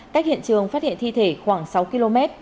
cách hiện trường phát hiện thi thể khoảng sáu km